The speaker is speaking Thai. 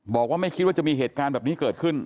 บอกว่าไม่คิดว่าจะมีเหตุการณ์แบบนี้เกิดขึ้น